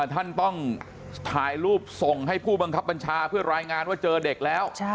ท่านต้องถ่ายรูปส่งให้ผู้บังคับบัญชาเพื่อรายงานว่าเจอเด็กแล้ว